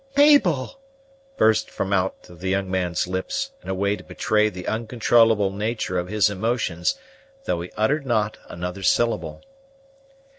"Mabel!" burst from out of the young man's lips, in a way to betray the uncontrollable nature of his emotions, though he uttered not another syllable.